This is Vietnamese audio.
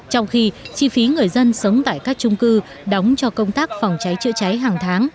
trong khi chi phí người dân sống tại các trung cư đóng cho công tác phòng cháy chữa cháy hàng tháng